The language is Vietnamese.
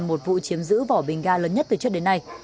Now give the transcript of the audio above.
một vụ chiếm giữ vỏ bình ga lớn nhất từ trước đến nay